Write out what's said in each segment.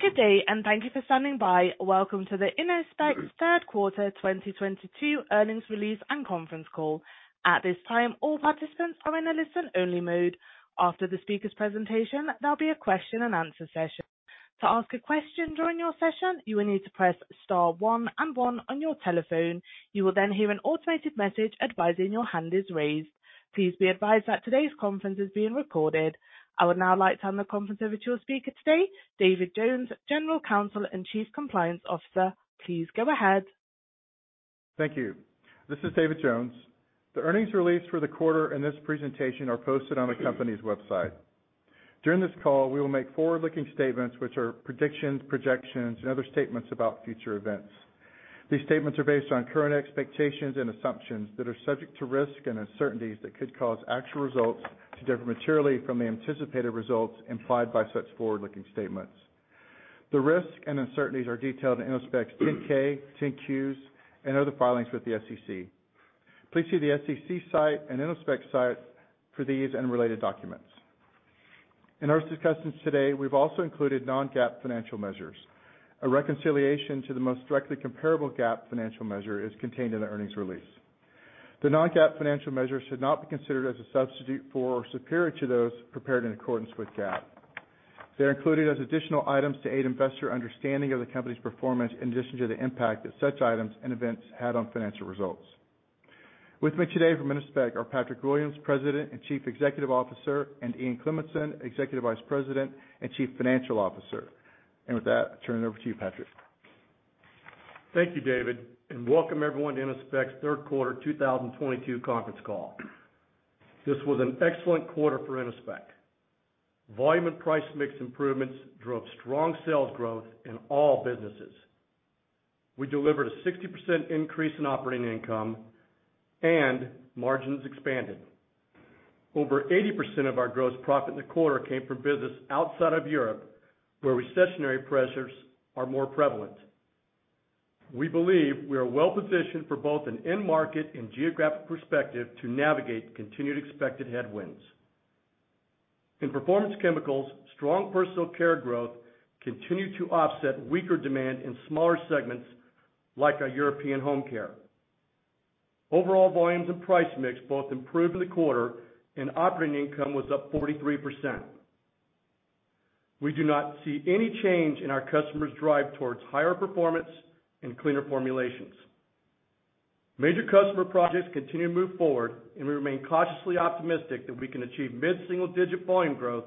Good day, and thank you for standing by. Welcome to the Innospec third quarter 2022 earnings release and conference call. At this time, all participants are in a listen-only mode. After the speaker's presentation, there'll be a question and answer session. To ask a question during your session, you will need to press star one and one on your telephone. You will then hear an automated message advising your hand is raised. Please be advised that today's conference is being recorded. I would now like to hand the conference over to your speaker today, David Jones, General Counsel and Chief Compliance Officer. Please go ahead. Thank you. This is David Jones. The earnings release for the quarter and this presentation are posted on the company's website. During this call, we will make forward-looking statements which are predictions, projections, and other statements about future events. These statements are based on current expectations and assumptions that are subject to risks and uncertainties that could cause actual results to differ materially from the anticipated results implied by such forward-looking statements. The risks and uncertainties are detailed in Innospec's 10-K, 10-Qs, and other filings with the SEC. Please see the SEC site and Innospec site for these relevant documents. In our discussions today, we've also included non-GAAP financial measures. A reconciliation to the most directly comparable GAAP financial measure is contained in the earnings release. The non-GAAP financial measures should not be considered as a substitute for or superior to those prepared in accordance with GAAP. They're included as additional items to aid investor understanding of the company's performance in addition to the impact that such items and events had on financial results. With me today from Innospec are Patrick Williams, President and Chief Executive Officer, and Ian Cleminson, Executive Vice President and Chief Financial Officer. With that, I turn it over to you, Patrick. Thank you, David, and welcome everyone to Innospec's third quarter 2022 conference call. This was an excellent quarter for Innospec. Volume and price mix improvements drove strong sales growth in all businesses. We delivered a 60% increase in operating income and margins expanded. Over 80% of our gross profit in the quarter came from business outside of Europe, where recessionary pressures are more prevalent. We believe we are well-positioned for both an end market and geographic perspective to navigate continued expected headwinds. In Performance Chemicals, strong personal care growth continued to offset weaker demand in smaller segments like our European home care. Overall volumes and price mix both improved in the quarter and operating income was up 43%. We do not see any change in our customers' drive towards higher performance and cleaner formulations. Major customer projects continue to move forward, and we remain cautiously optimistic that we can achieve mid-single-digit volume growth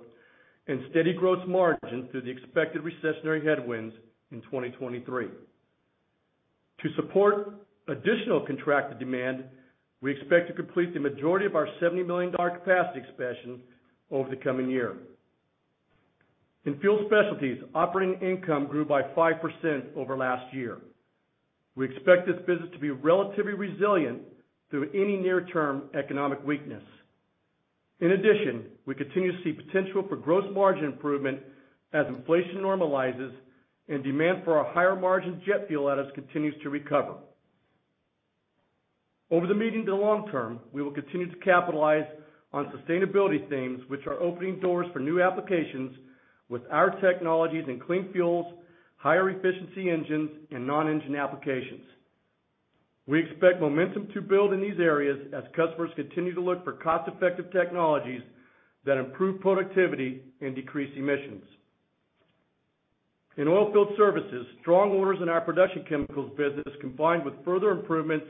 and steady gross margin through the expected recessionary headwinds in 2023. To support additional contracted demand, we expect to complete the majority of our $70 million capacity expansion over the coming year. In Fuel Specialties, operating income grew by 5% over last year. We expect this business to be relatively resilient through any near-term economic weakness. In addition, we continue to see potential for gross margin improvement as inflation normalizes and demand for our higher-margin jet fuel additives continues to recover. Over the medium to long term, we will continue to capitalize on sustainability themes, which are opening doors for new applications with our technologies in clean fuels, higher efficiency engines, and non-engine applications. We expect momentum to build in these areas as customers continue to look for cost-effective technologies that improve productivity and decrease emissions. In Oilfield Services, strong orders in our production chemicals business combined with further improvements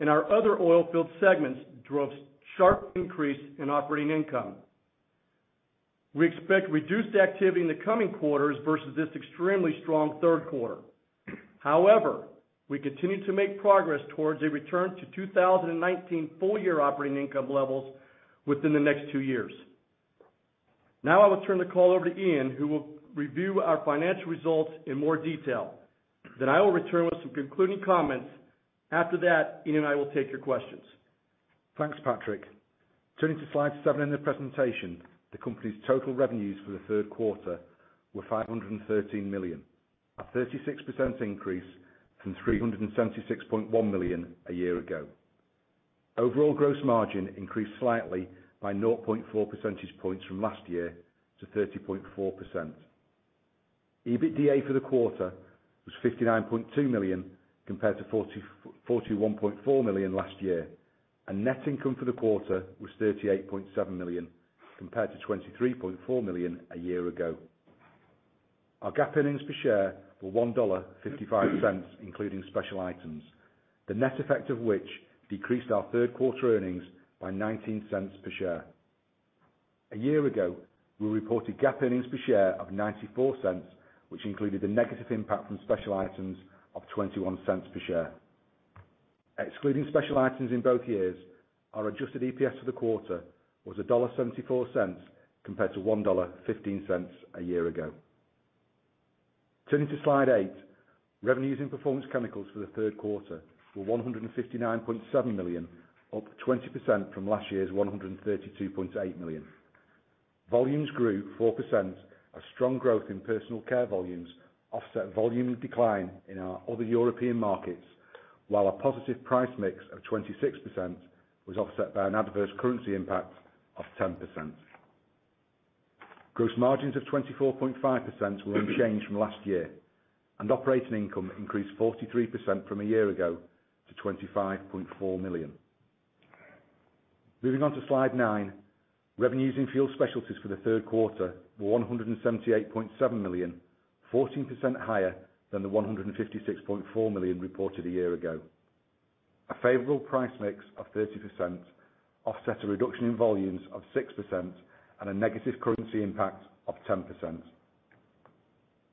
in our other oilfield segments drove sharp increase in operating income. We expect reduced activity in the coming quarters versus this extremely strong third quarter. However, we continue to make progress towards a return to 2019 full-year operating income levels within the next two years. Now I will turn the call over to Ian, who will review our financial results in more detail. Then I will return with some concluding comments. After that, Ian and I will take your questions. Thanks, Patrick. Turning to slide seven in the presentation, the company's total revenues for the third quarter were $513 million, a 36% increase from $376.1 million a year ago. Overall gross margin increased slightly by 0.4 percentage points from last year to 30.4%. EBITDA for the quarter was $59.2 million compared to $41.4 million last year, and net income for the quarter was $38.7 million compared to $23.4 million a year ago. Our GAAP earnings per share were $1.55, including special items, the net effect of which decreased our third quarter earnings by $0.19 per share. A year ago, we reported GAAP earnings per share of $0.94, which included the negative impact from special items of $0.21 per share. Excluding special items in both years, our adjusted EPS for the quarter was $1.74 compared to $1.15 a year ago. Turning to slide eight. Revenues in Performance Chemicals for the third quarter were $159.7 million, up 20% from last year's $132.8 million. Volumes grew 4% as strong growth in personal care volumes offset volume decline in our other European markets. While a positive price mix of 26% was offset by an adverse currency impact of 10%. Gross margins of 24.5% were unchanged from last year, and operating income increased 43% from a year ago to $25.4 million. Moving on to slide nine. Revenues in Fuel Specialties for the third quarter were $178.7 million, 14% higher than the $156.4 million reported a year ago. A favorable price mix of 30% offset a reduction in volumes of 6% and a negative currency impact of 10%.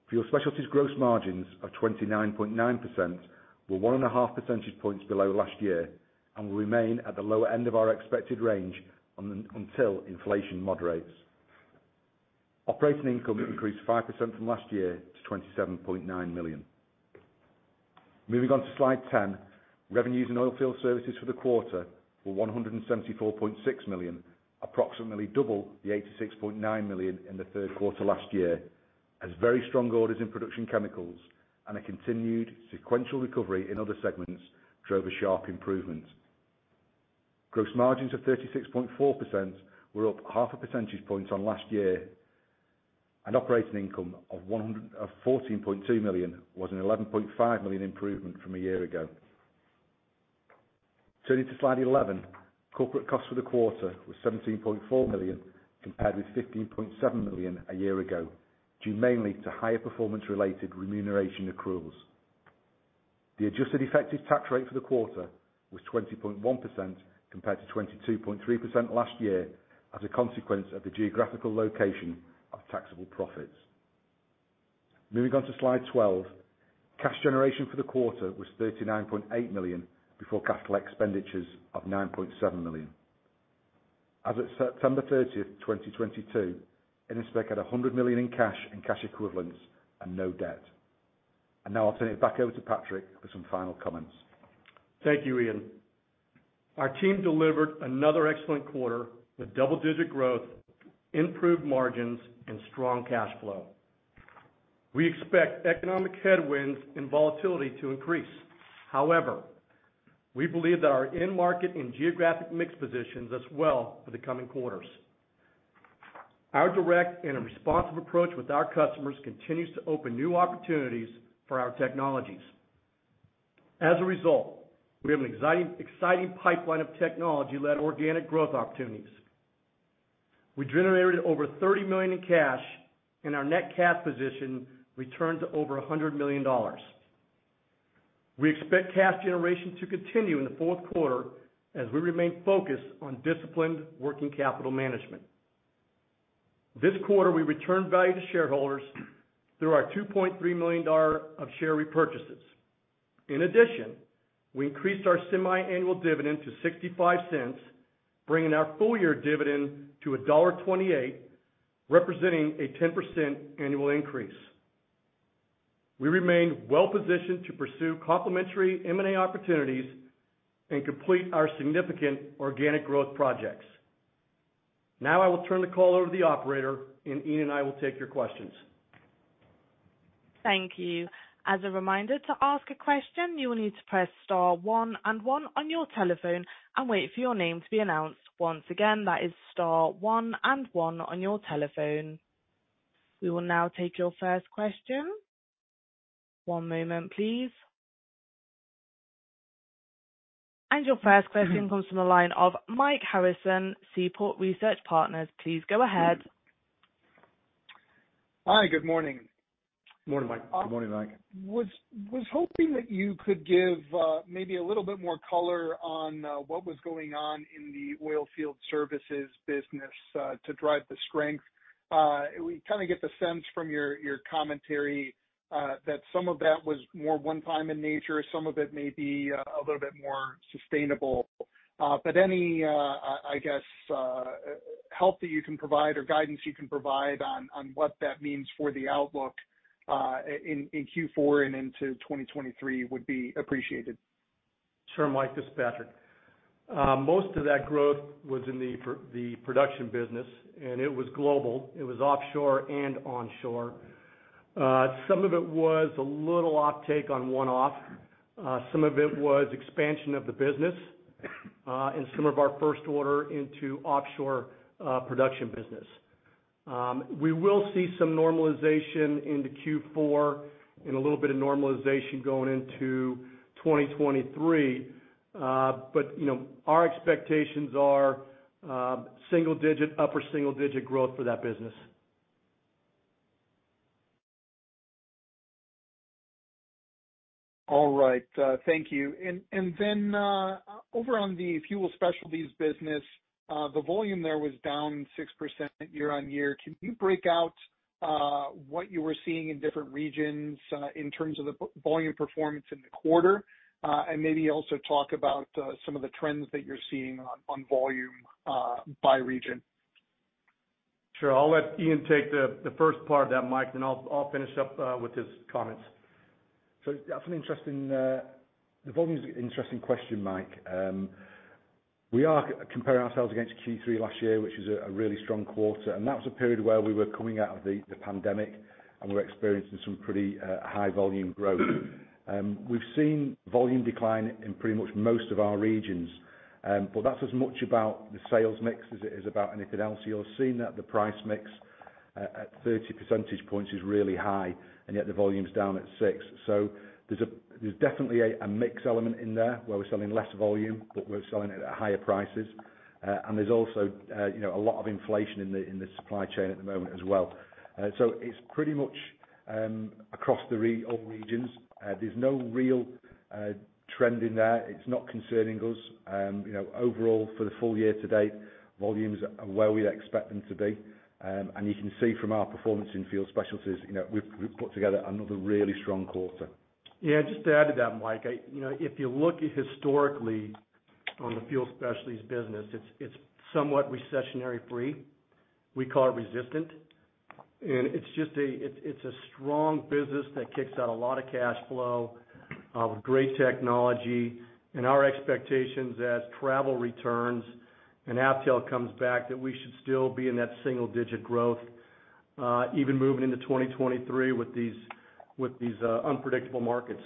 Fuel Specialties gross margins of 29.9% were one and a half percentage points below last year and will remain at the lower end of our expected range until inflation moderates. Operating income increased 5% from last year to $27.9 million. Moving on to slide 10. Revenues in Oilfield Services for the quarter were $174.6 million, approximately double the $86.9 million in the third quarter last year, as very strong orders in production chemicals and a continued sequential recovery in other segments drove a sharp improvement. Gross margins of 36.4% were up half a percentage point on last year, and operating income of $14.2 million was an $11.5 million improvement from a year ago. Turning to slide 11. Corporate costs for the quarter were $17.4 million compared with $15.7 million a year ago, due mainly to higher performance-related remuneration accruals. The adjusted effective tax rate for the quarter was 20.1% compared to 22.3% last year as a consequence of the geographical location of taxable profits. Moving on to slide 12. Cash generation for the quarter was $39.8 million before capital expenditures of $9.7 million. As of September 30th, 2022, Innospec had $100 million in cash and cash equivalents and no debt. Now I'll turn it back over to Patrick for some final comments. Thank you, Ian. Our team delivered another excellent quarter with double-digit growth, improved margins, and strong cash flow. We expect economic headwinds and volatility to increase. However, we believe that our end market and geographic mix positions us well for the coming quarters. Our direct and responsive approach with our customers continues to open new opportunities for our technologies. As a result, we have an exciting pipeline of technology-led organic growth opportunities. We generated over $30 million in cash, and our net cash position returned to over $100 million. We expect cash generation to continue in the fourth quarter as we remain focused on disciplined working capital management. This quarter, we returned value to shareholders through our $2.3 million of share repurchases. In addition, we increased our semiannual dividend to $0.65, bringing our full-year dividend to $1.28, representing a 10% annual increase. We remain well positioned to pursue complementary M&A opportunities and complete our significant organic growth projects. Now, I will turn the call over to the operator, and Ian and I will take your questions. Thank you. As a reminder, to ask a question, you will need to press star one and one on your telephone and wait for your name to be announced. Once again, that is star one and one on your telephone. We will now take your first question. One moment, please. Your first question comes from the line of Mike Harrison, Seaport Research Partners. Please go ahead. Hi, good morning. Good morning, Mike. Good morning, Mike. Was hoping that you could give maybe a little bit more color on what was going on in the Oilfield Services business to drive the strength. We kinda get the sense from your commentary that some of that was more one time in nature, some of it may be a little bit more sustainable. But any help that you can provide or guidance you can provide on what that means for the outlook in Q4 and into 2023 would be appreciated. Sure, Mike. This is Patrick. Most of that growth was in the production business, and it was global. It was offshore and onshore. Some of it was a little uptake on one-off. Some of it was expansion of the business, and some of our first order into offshore production business. We will see some normalization into Q4 and a little bit of normalization going into 2023. You know, our expectations are single-digit, upper single-digit growth for that business. All right. Thank you. Then over on the Fuel Specialties business, the volume there was down 6% year-over-year. Can you break out what you were seeing in different regions in terms of the volume performance in the quarter? Maybe also talk about some of the trends that you're seeing on volume by region. Sure. I'll let Ian take the first part of that, Mike, then I'll finish up with his comments. The volume is an interesting question, Mike. We are comparing ourselves against Q3 last year, which was a really strong quarter, and that was a period where we were coming out of the pandemic and were experiencing some pretty high volume growth. We've seen volume decline in pretty much most of our regions. That's as much about the sales mix as it is about anything else. You're seeing that the price mix at 30 percentage points is really high, and yet the volume's down 6%. There's definitely a mix element in there where we're selling less volume, but we're selling it at higher prices. There's also, you know, a lot of inflation in the supply chain at the moment as well. It's pretty much across all regions. There's no real trend in there. It's not concerning us. You know, overall for the full year to date, volumes are where we'd expect them to be. You can see from our performance in Fuel Specialties, you know, we've put together another really strong quarter. Yeah, just to add to that, Mike, you know, if you look historically on the Fuel Specialties business, it's somewhat recession-free. We call it resistant. It's just a strong business that kicks out a lot of cash flow with great technology. Our expectations as travel returns and uptake comes back, that we should still be in that single digit growth, even moving into 2023 with these unpredictable markets.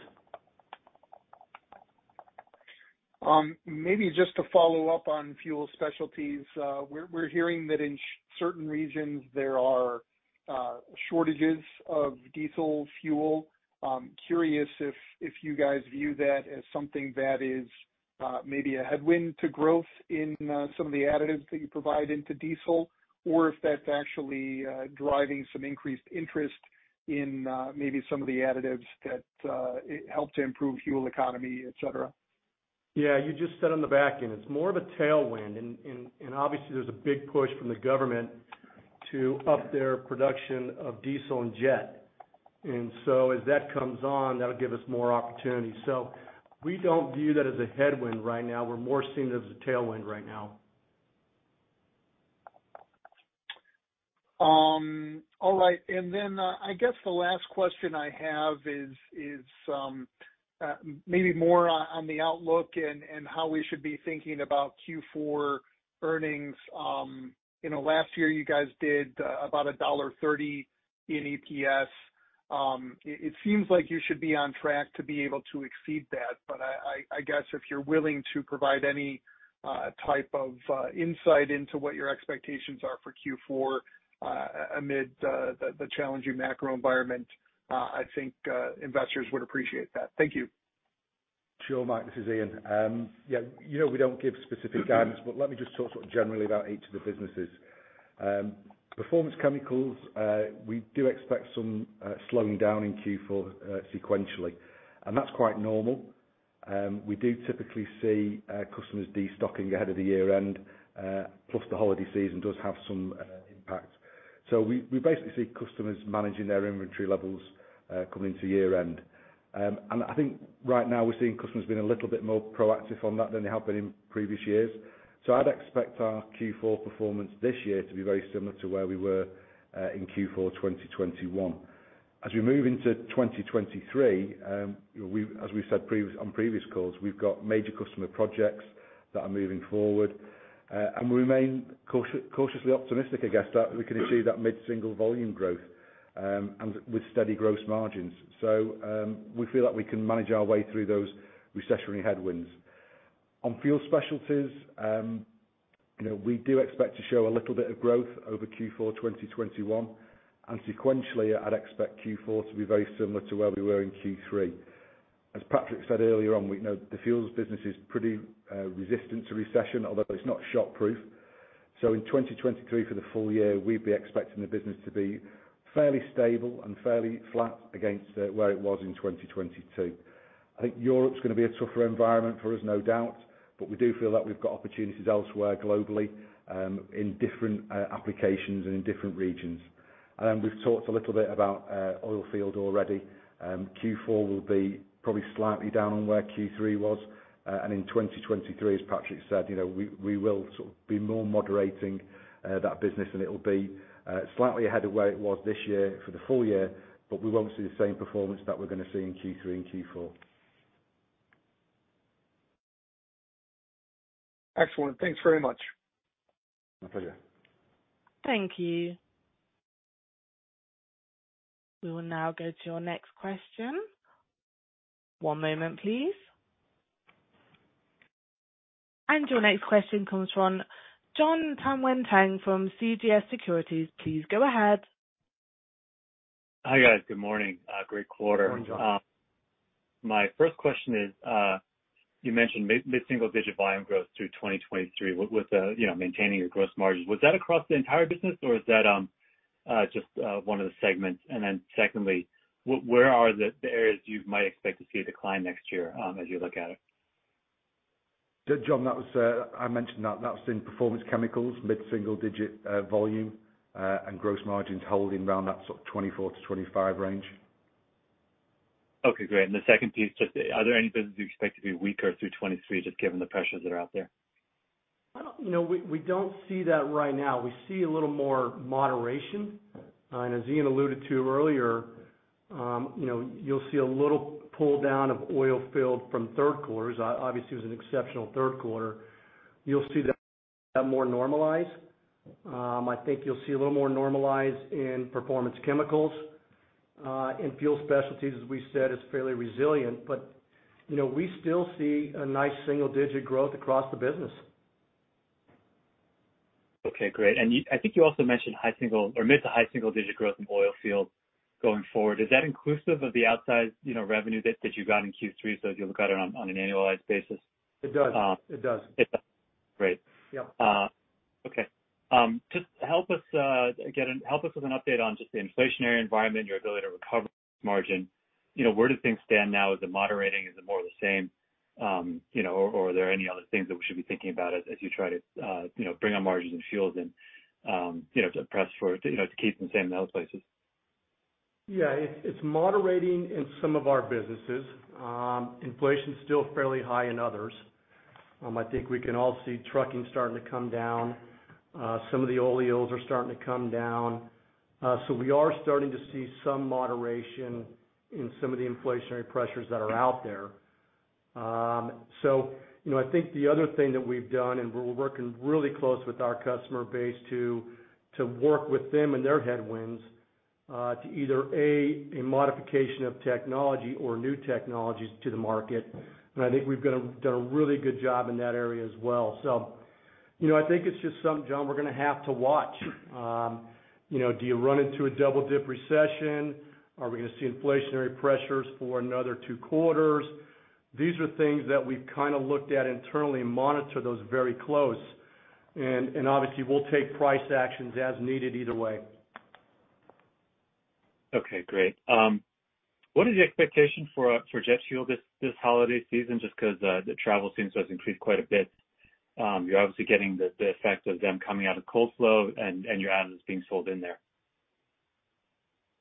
Maybe just to follow up on Fuel Specialties. We're hearing that in certain regions there are shortages of diesel fuel. Curious if you guys view that as something that is maybe a headwind to growth in some of the additives that you provide into diesel, or if that's actually driving some increased interest in maybe some of the additives that help to improve fuel economy, et cetera. Yeah, you just hit on the backend. It's more of a tailwind and obviously there's a big push from the government to up their production of diesel and jet. As that comes on, that'll give us more opportunities. We don't view that as a headwind right now. We're more seeing it as a tailwind right now. All right. I guess the last question I have is maybe more on the outlook and how we should be thinking about Q4 earnings. You know, last year you guys did about $1.30 in EPS. It seems like you should be on track to be able to exceed that. I guess if you're willing to provide any type of insight into what your expectations are for Q4, amid the challenging macro environment, I think investors would appreciate that. Thank you. Sure, Mike, this is Ian. You know, we don't give specific guidance, but let me just talk sort of generally about each of the businesses. Performance Chemicals, we do expect some slowing down in Q4, sequentially, and that's quite normal. We do typically see customers destocking ahead of the year-end, plus the holiday season does have some impact. We basically see customers managing their inventory levels, coming to year-end. I think right now we're seeing customers being a little bit more proactive on that than they have been in previous years. I'd expect our Q4 performance this year to be very similar to where we were in Q4 2021. As we move into 2023, as we said previous on previous calls, we've got major customer projects that are moving forward. We remain cautiously optimistic, I guess, that we can achieve that mid-single volume growth, and with steady gross margins. We feel like we can manage our way through those recessionary headwinds. On Fuel Specialties, you know, we do expect to show a little bit of growth over Q4 2021, and sequentially, I'd expect Q4 to be very similar to where we were in Q3. As Patrick said earlier on, we know the fuels business is pretty resistant to recession, although it's not bulletproof. In 2023 for the full year, we'd be expecting the business to be fairly stable and fairly flat against where it was in 2022. I think Europe's gonna be a tougher environment for us, no doubt, but we do feel that we've got opportunities elsewhere globally, in different applications and in different regions. We've talked a little bit about oil field already. Q4 will be probably slightly down on where Q3 was. In 2023, as Patrick said, you know, we will sort of be more moderating that business, and it'll be slightly ahead of where it was this year for the full year, but we won't see the same performance that we're gonna see in Q3 and Q4. Excellent. Thanks very much. My pleasure. Thank you. We will now go to your next question. One moment, please. Your next question comes from Jon Tanwanteng from CJS Securities. Please go ahead. Hi, guys. Good morning. Great quarter. Morning, Jon. My first question is, you mentioned mid-single-digit volume growth through 2023 with you know maintaining your gross margins. Was that across the entire business or is that just one of the segments? Secondly, where are the areas you might expect to see a decline next year, as you look at it? Jon, that was, I mentioned that. That's in Performance Chemicals, mid-single digit volume, and gross margins holding around that sort of 24%-25% range. Okay, great. The second piece, just are there any businesses you expect to be weaker through 2023, just given the pressures that are out there? You know, we don't see that right now. We see a little more moderation. As Ian alluded to earlier, you know, you'll see a little pull down of Oilfield from third quarter. Obviously, it was an exceptional third quarter. You'll see that more normalized. I think you'll see a little more normalized in Performance Chemicals. In Fuel Specialties, as we said, is fairly resilient, but, you know, we still see a nice single digit growth across the business. Okay, great. I think you also mentioned high single- or mid- to high single-digit growth in Oilfield going forward. Is that inclusive of the outside, you know, revenue that you got in Q3 so as you look at it on an annualized basis? It does. It does. Great. Yep. Okay. Just help us again with an update on the inflationary environment, your ability to recover margin. You know, where do things stand now? Is it moderating? Is it more the same? You know, or are there any other things that we should be thinking about as you try to, you know, bring up margins in fuels and, you know, to press for it, you know, to keep the same in the other places? Yeah, it's moderating in some of our businesses. Inflation's still fairly high in others. I think we can all see trucking starting to come down. Some of the oleochemicals are starting to come down. We are starting to see some moderation in some of the inflationary pressures that are out there. You know, I think the other thing that we've done, and we're working really close with our customer base to work with them and their headwinds, to either A, a modification of technology or new technologies to the market. I think we've done a really good job in that area as well. You know, I think it's just something, Jon, we're gonna have to watch. You know, do you run into a double dip recession? Are we gonna see inflationary pressures for another two quarters? These are things that we've kind of looked at internally and monitor those very close. Obviously, we'll take price actions as needed either way. Okay, great. What is the expectation for jet fuel this holiday season, just 'cause the travel seems to have increased quite a bit? You're obviously getting the effect of them coming out of cold flow and your additives being sold in there.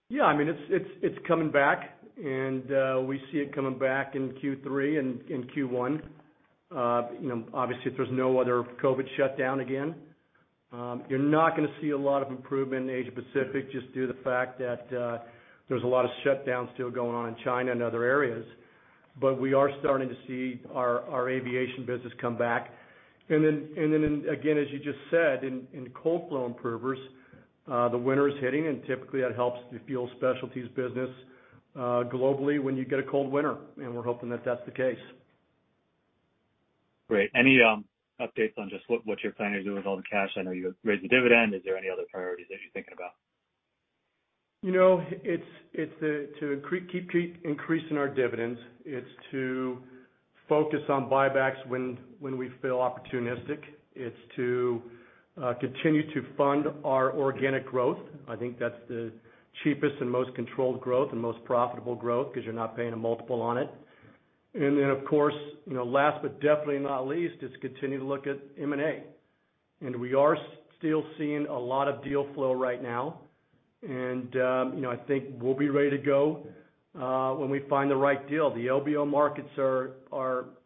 Yeah. I mean, it's coming back and we see it coming back in Q3 and in Q1. You know, obviously, if there's no other COVID shutdown again. You're not gonna see a lot of improvement in Asia Pacific just due to the fact that there's a lot of shutdowns still going on in China and other areas. We are starting to see our aviation business come back. Then again, as you just said, in cold flow improvers, the winter is hitting, and typically that helps the fuel specialties business globally when you get a cold winter, and we're hoping that that's the case. Great. Any updates on just what you're planning to do with all the cash? I know you raised the dividend. Is there any other priorities that you're thinking about? You know, it's to keep increasing our dividends. It's to focus on buybacks when we feel opportunistic. It's to continue to fund our organic growth. I think that's the cheapest and most controlled growth and most profitable growth 'cause you're not paying a multiple on it. Then, of course, you know, last but definitely not least, is continue to look at M&A. We are still seeing a lot of deal flow right now. You know, I think we'll be ready to go when we find the right deal. The LBO markets are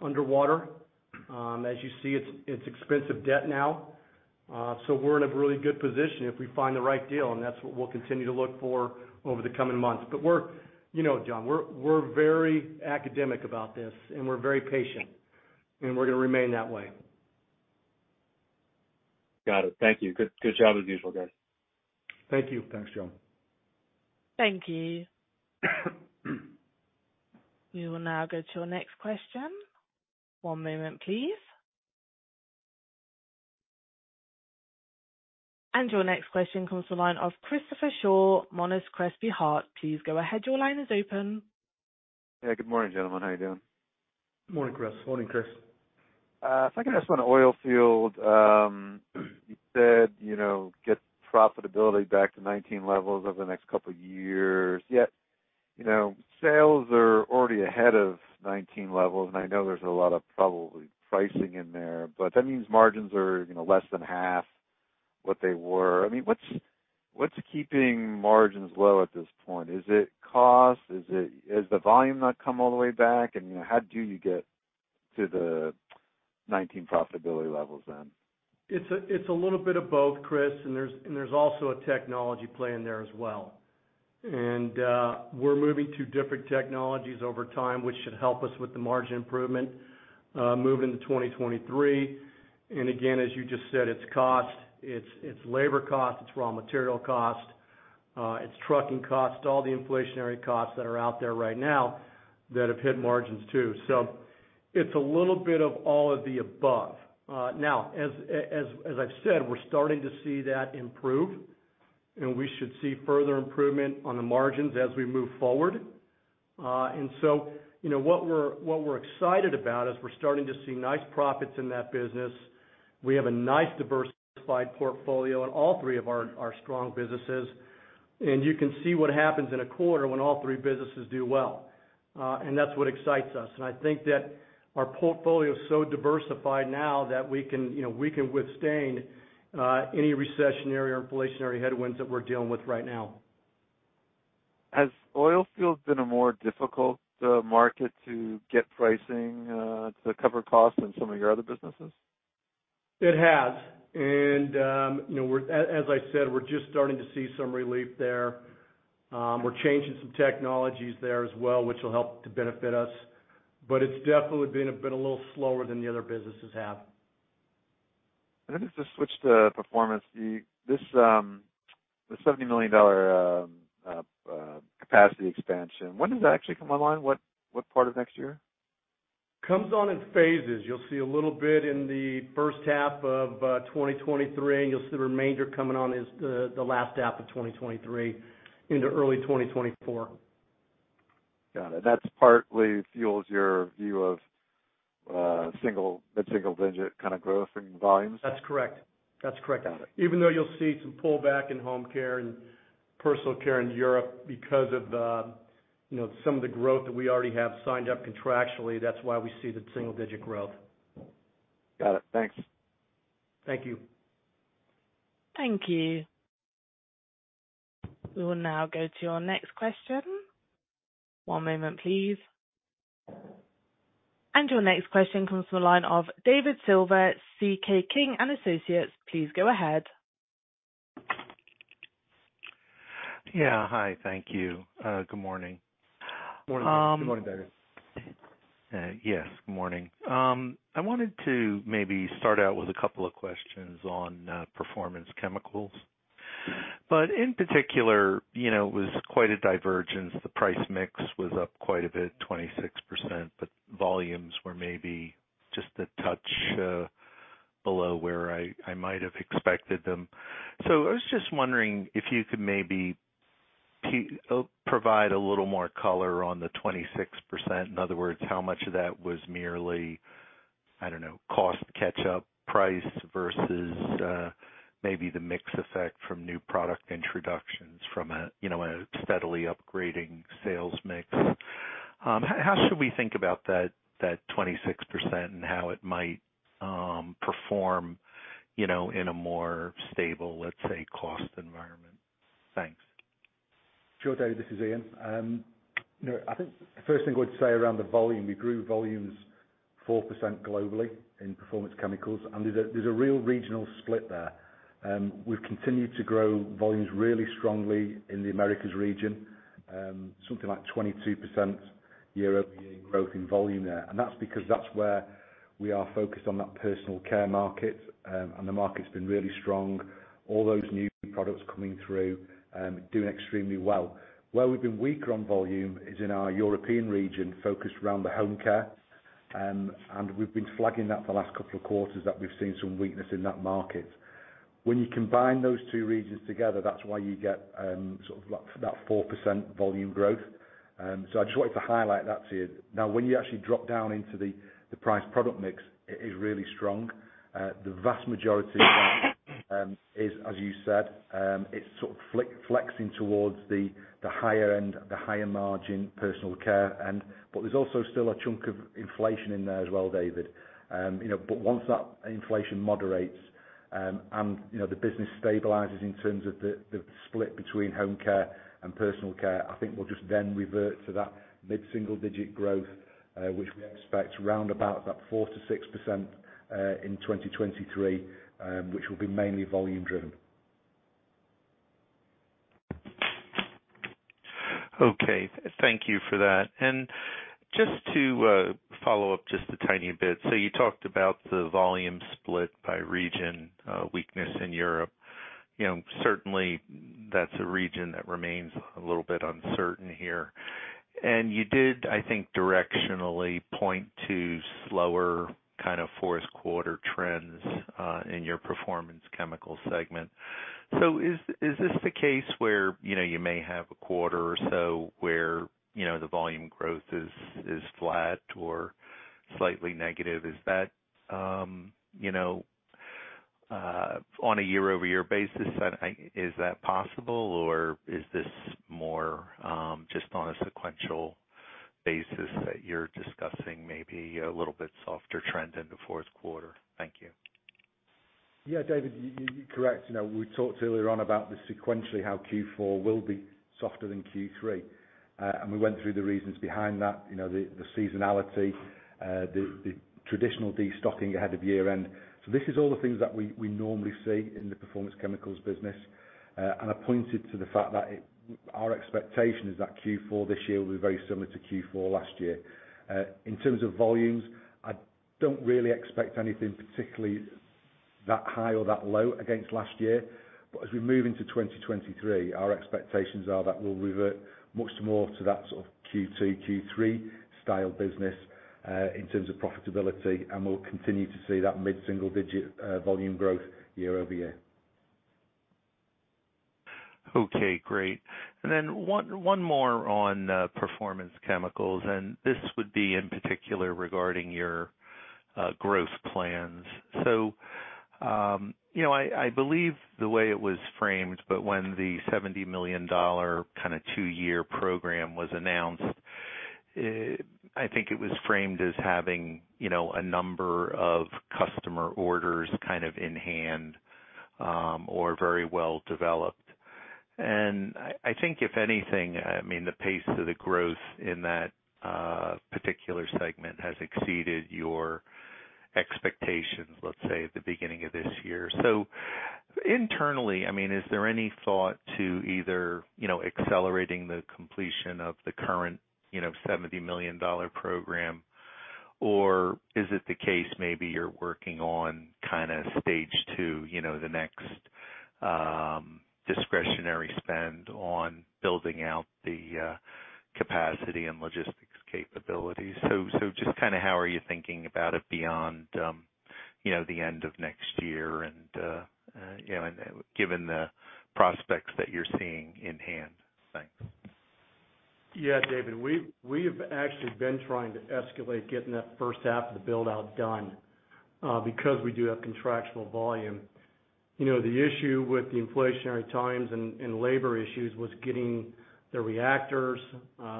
underwater. As you see, it's expensive debt now. So we're in a really good position if we find the right deal, and that's what we'll continue to look for over the coming months. We're You know, Jon, we're very academic about this, and we're very patient, and we're gonna remain that way. Got it. Thank you. Good job as usual, guys. Thank you. Thanks, Jon. Thank you. We will now go to our next question. One moment, please. Your next question comes to the line of Christopher Shaw, Monness, Crespi, Hardt. Please go ahead. Your line is open. Hey, good morning, gentlemen. How are you doing? Morning, Chris. Morning, Chris. If I could ask one on Oilfield. You said, you know, get profitability back to 2019 levels over the next couple of years, yet, you know, sales are already ahead of 2019 levels, and I know there's a lot of probably pricing in there, but that means margins are, you know, less than half what they were. I mean, what's keeping margins low at this point? Is it cost? Is the volume not come all the way back? You know, how do you get to the 2019 profitability levels then? It's a little bit of both, Chris, and there's also a technology play in there as well. We're moving to different technologies over time, which should help us with the margin improvement, move into 2023. Again, as you just said, it's cost, it's labor cost, it's raw material cost, it's trucking costs, all the inflationary costs that are out there right now that have hit margins too. It's a little bit of all of the above. Now, as I've said, we're starting to see that improve, and we should see further improvement on the margins as we move forward. You know, what we're excited about is we're starting to see nice profits in that business. We have a nice diversified portfolio in all three of our strong businesses. You can see what happens in a quarter when all three businesses do well. That's what excites us. I think that our portfolio is so diversified now that we can, you know, withstand any recessionary or inflationary headwinds that we're dealing with right now. Has Oilfield been a more difficult market to get pricing to cover costs than some of your other businesses? It has. You know, as I said, we're just starting to see some relief there. We're changing some technologies there as well, which will help to benefit us. It's definitely been a little slower than the other businesses have. Then just to switch to performance. This, the $70 million capacity expansion, when does that actually come online? What part of next year? Comes on in phases. You'll see a little bit in the first half of 2023, and you'll see the remainder coming on as the last half of 2023 into early 2024. Got it. That partly fuels your view of mid-single digit kind of growth in volumes? That's correct. Got it. Even though you'll see some pullback in home care and personal care in Europe because of, you know, some of the growth that we already have signed up contractually, that's why we see the single-digit growth. Got it. Thanks. Thank you. Thank you. We will now go to our next question. One moment, please. Your next question comes from the line of David Silver, C.L. King & Associates. Please go ahead. Yeah. Hi. Thank you. Good morning. Morning, David. Yes, good morning. I wanted to maybe start out with a couple of questions on Performance Chemicals. In particular, you know, it was quite a divergence. The price mix was up quite a bit, 26%, but volumes were maybe just a touch below where I might have expected them. I was just wondering if you could maybe provide a little more color on the 26%. In other words, how much of that was merely, I don't know, cost catch up price versus maybe the mix effect from new product introductions from a, you know, a steadily upgrading sales mix. How should we think about that 26% and how it might perform, you know, in a more stable, let's say, cost environment? Thanks. Sure, David, this is Ian. You know, I think the first thing I would say around the volume, we grew volumes 4% globally in Performance Chemicals, and there's a real regional split there. We've continued to grow volumes really strongly in the Americas region, something like 22% year-over-year growth in volume there. That's because that's where we are focused on that personal care market, and the market's been really strong. All those new products coming through, doing extremely well. Where we've been weaker on volume is in our European region, focused around the home care. We've been flagging that for the last couple of quarters that we've seen some weakness in that market. When you combine those two regions together, that's why you get, sort of like that 4% volume growth. I just wanted to highlight that to you. Now, when you actually drop down into the price product mix, it is really strong. The vast majority of that, as you said, it's sort of flexing towards the higher end, the higher margin personal care end. There's also still a chunk of inflation in there as well, David. You know, but once that inflation moderates and you know, the business stabilizes in terms of the split between home care and personal care, I think we'll just then revert to that mid-single-digit growth, which we expect round about that 4%-6% in 2023, which will be mainly volume driven. Okay. Thank you for that. Just to follow up just a tiny bit. You talked about the volume split by region, weakness in Europe. You know, certainly that's a region that remains a little bit uncertain here. You did, I think, directionally point to slower kind of fourth quarter trends in your Performance Chemicals segment. Is this the case where you know you may have a quarter or so where you know the volume growth is flat or slightly negative? Is that you know on a year-over-year basis is that possible, or is this more just on a sequential basis that you're discussing maybe a little bit softer trend in the fourth quarter? Thank you. Yeah, David, you're correct. You know, we talked earlier on about the sequentially how Q4 will be softer than Q3. We went through the reasons behind that. You know, the seasonality, the traditional destocking ahead of year-end. This is all the things that we normally see in the Performance Chemicals business. I pointed to the fact that it our expectation is that Q4 this year will be very similar to Q4 last year. In terms of volumes, I don't really expect anything particularly that high or that low against last year. As we move into 2023, our expectations are that we'll revert much more to that sort of Q2, Q3 style business, in terms of profitability, and we'll continue to see that mid-single digit volume growth year-over-year. Okay, great. One more on Performance Chemicals, and this would be in particular regarding your growth plans. You know, I believe the way it was framed, but when the $70 million kinda two-year program was announced. I think it was framed as having, you know, a number of customer orders kind of in hand, or very well developed. I think if anything, I mean, the pace of the growth in that particular segment has exceeded your expectations, let's say, at the beginning of this year. Internally, I mean, is there any thought to either, you know, accelerating the completion of the current, you know, $70 million program? Is it the case maybe you're working on kinda stage two, you know, the next, discretionary spend on building out the capacity and logistics capabilities? Just kinda how are you thinking about it beyond, you know, the end of next year and, you know, and given the prospects that you're seeing in hand? Thanks. Yeah, David, we've actually been trying to escalate getting that first half of the build-out done, because we do have contractual volume. You know, the issue with the inflationary times and labor issues was getting the reactors,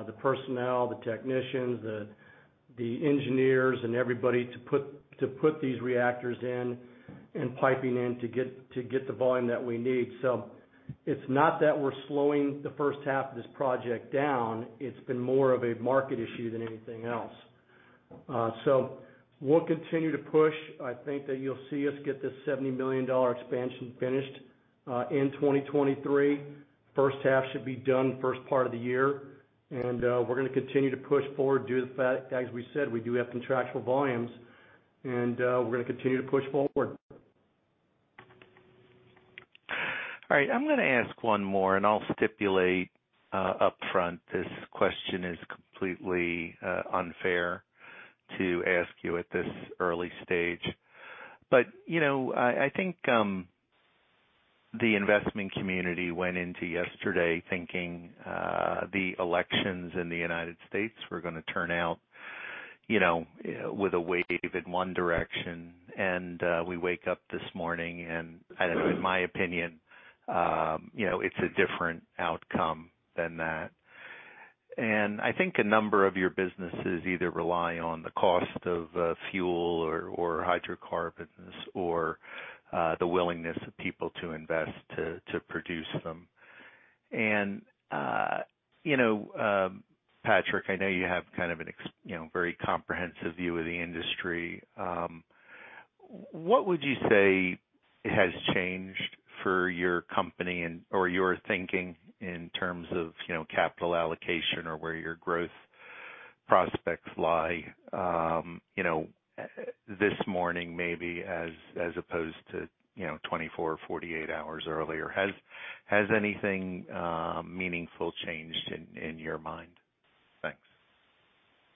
the personnel, the technicians, the engineers, and everybody to put these reactors in and piping in to get the volume that we need. It's not that we're slowing the first half of this project down, it's been more of a market issue than anything else. We'll continue to push. I think that you'll see us get this $70 million expansion finished in 2023. First half should be done first part of the year. We're gonna continue to push forward due to the fact, as we said, we do have contractual volumes and, we're gonna continue to push forward. All right. I'm gonna ask one more, and I'll stipulate up front, this question is completely unfair to ask you at this early stage. You know, I think the investment community went into yesterday thinking the elections in the United States were gonna turn out, you know, with a wave in one direction. We wake up this morning and in my opinion, you know, it's a different outcome than that. I think a number of your businesses either rely on the cost of fuel or hydrocarbons or the willingness of people to invest to produce them. You know, Patrick, I know you have you know, very comprehensive view of the industry. What would you say has changed for your company and or your thinking in terms of, you know, capital allocation or where your growth prospects lie, you know, this morning maybe as opposed to, you know, 24 or 48 hours earlier? Has anything meaningful changed in your mind? Thanks.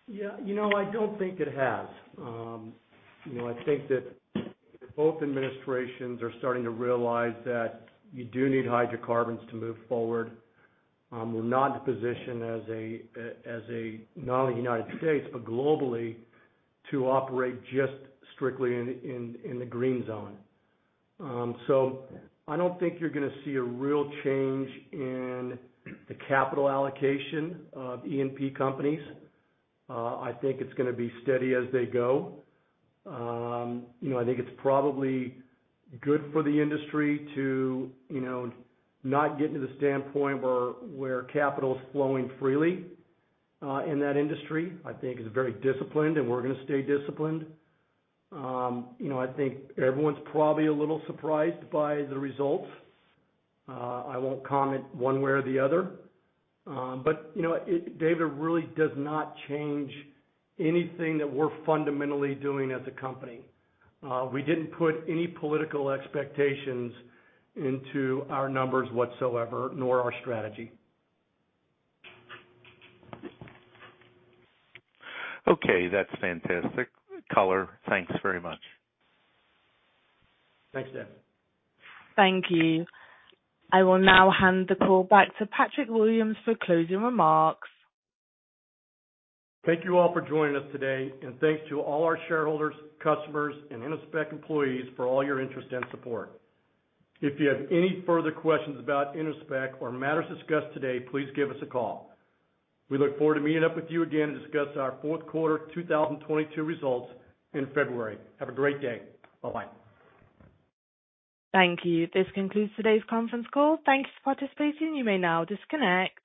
Yeah. You know, I don't think it has. You know, I think that both administrations are starting to realize that you do need hydrocarbons to move forward. We're not in a position as a not only United States, but globally, to operate just strictly in the green zone. So I don't think you're gonna see a real change in the capital allocation of E&P companies. I think it's gonna be steady as they go. You know, I think it's probably good for the industry to, you know, not get to the standpoint where capital is flowing freely in that industry. I think it's very disciplined, and we're gonna stay disciplined. You know, I think everyone's probably a little surprised by the results. I won't comment one way or the other. You know, it, David, it really does not change anything that we're fundamentally doing as a company. We didn't put any political expectations into our numbers whatsoever, nor our strategy. Okay. That's fantastic color. Thanks very much. Thanks, David. Thank you. I will now hand the call back to Patrick Williams for closing remarks. Thank you all for joining us today, and thanks to all our shareholders, customers, and Innospec employees for all your interest and support. If you have any further questions about Innospec or matters discussed today, please give us a call. We look forward to meeting up with you again to discuss our fourth quarter 2022 results in February. Have a great day. Bye-bye. Thank you. This concludes today's conference call. Thank you for participating. You may now disconnect.